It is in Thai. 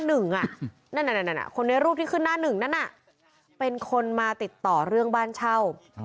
คนในรูปที่ขึ้นหน้าหนึ่งนั้นเป็นคนมาติดต่อเรื่องบ้านเช่า